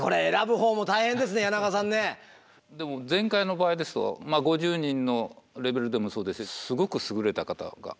でも前回の場合ですと５０人のレベルでもそうですしすごくすぐれた方が多いんですよね。